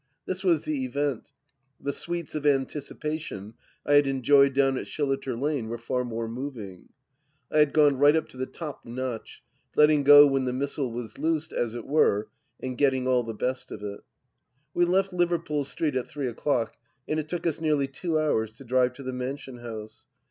This was the event; the sweets of anticipation I had enjoyed down at Shilliter Lane were far more moving. I had gone right up to the top notch, letting go when the missile was loosed, as it were, and getting all the best of it. We left Liverpool Street at three o'clock and it took us nearly two hours to drive to the Mansion House.